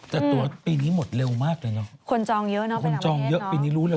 แต่ตัวปีนี้หมดเร็วมากเลยเนาะ